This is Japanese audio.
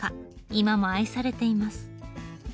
今も愛されています。